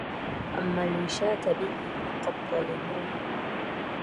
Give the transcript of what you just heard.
أما الوشاة به فقد ظلموه